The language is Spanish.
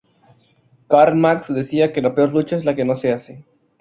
Karl Marx decía que: "La peor lucha es la que no se hace".